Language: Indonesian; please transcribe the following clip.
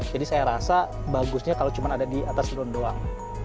jadi saya rasa bagusnya kalau cuma ada di atas lunduan doang